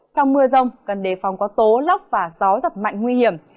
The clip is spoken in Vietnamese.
trong mưa rông cần đề phòng có tố lốc và gió giật mạnh nguy hiểm